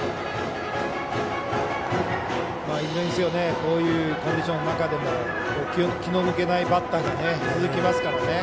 こういうコンディションの中でも気の抜けないバッターが続きますから。